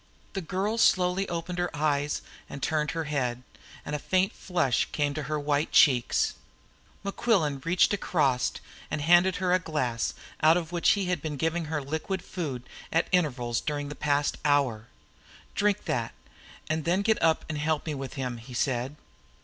The girl slowly opened her eyes and turned her head, and a faint flush came into her white cheeks. Mequillen reached across, and handed her a glass out of which he had been giving her liquid food at intervals during the past hour. "Drink that, and then get up and help me with him," he said.